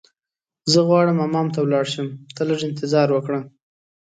زه غواړم حمام ته ولاړ شم، ته لږ انتظار وکړه.